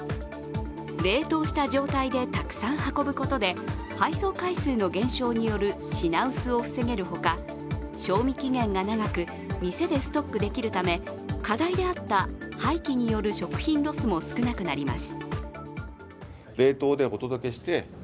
冷凍した状態でたくさん運ぶことで配送回数の減少による品薄を防げるほか、賞味期限が長く、店でストックできるため課題であった廃棄による食品ロスも少なくなります。